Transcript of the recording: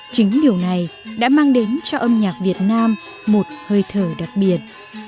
chính điều này đã mang đến cho âm nhạc việt nam một hơi thở đặc biệt